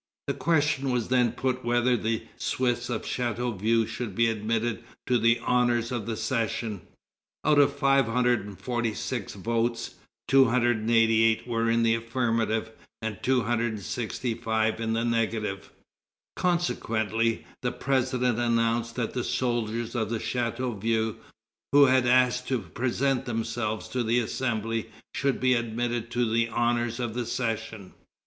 The question was then put whether the Swiss of Chateauvieux should be admitted to the honors of the session. Out of 546 votes, 288 were in the affirmative, and 265 in the negative. Consequently, the president announced that the soldiers of Chateauvieux, who had asked to present themselves to the Assembly, should be admitted to the honors of the session.